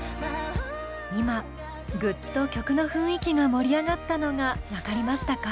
今ぐっと曲の雰囲気が盛り上がったのが分かりましたか？